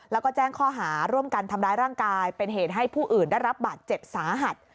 แล้วก็แจ้งข้อหาร่วมกันทำร้ายร่างกายเป็นเหตุให้ผู้อื่นได้รับบาดเจ็บสาหัส